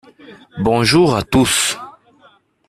Bonjour à tous.